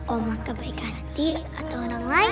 oma kebaikan hati atau orang lainnya